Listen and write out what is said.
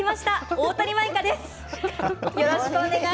大谷舞風です。